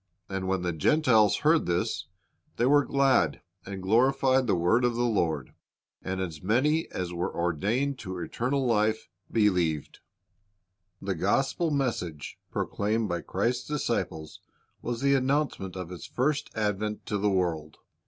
And when the Gentiles heard this, they were glad, and glorified the word of the Lord ; and as many as were ordained to eternal life believed."" The gospel message proclaimed by Christ's disciples was the announcement of His first advent to the world.